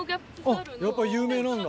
やっぱ有名なんだ。